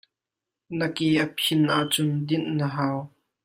Na ke a phin ahcun dinh na hau.